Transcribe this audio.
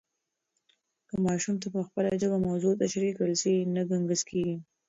که ماشوم ته په خپله ژبه موضوع تشریح کړل سي، نه ګنګس کېږي.